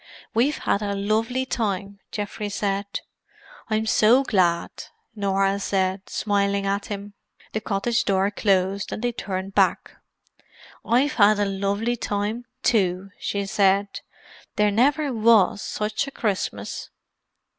"We've had a lovely time!" Geoffrey said. "I'm so glad," Norah said, smiling at him. The cottage door closed, and they turned back. "I've had a lovely time, too!" she said. "There never was such a Christmas!"